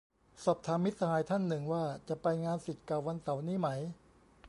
สอบถามมิตรสหายท่านหนึ่งว่าจะไปงานศิษย์เก่าวันเสาร์นี้ไหม